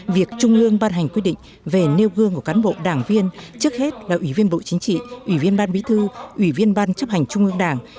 việc trung ương ban hành quy định về nêu gương của cán bộ đảng viên trước hết là ủy viên bộ chính trị ủy viên ban bí thư ủy viên ban chấp hành trung ương đảng